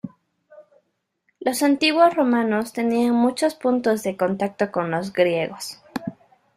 Los antiguos romanos tenían muchos puntos de contacto con los griegos.